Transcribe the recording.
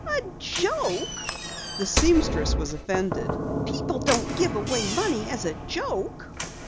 "A joke!" The seamstress was offended. "People don't give away money as a joke."